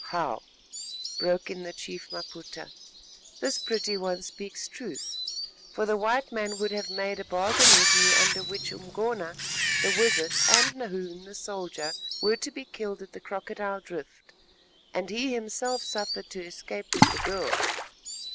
"Wow!" broke in the chief Maputa, "this pretty one speaks truth, for the white man would have made a bargain with me under which Umgona, the wizard, and Nahoon, the soldier, were to be killed at the Crocodile Drift, and he himself suffered to escape with the girl.